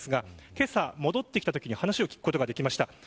けさ、戻ってきたときに話を聞くことができました。